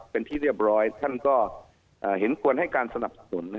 เป็นที่เรียบร้อยท่านก็เห็นควรให้การสนับสนุน